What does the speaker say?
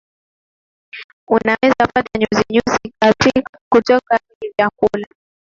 unaweza kupata nyuzinyuzi toka kwenye vyakula